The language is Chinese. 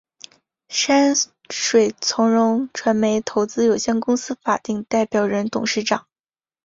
山水从容传媒投资有限公司法定代表人、董事长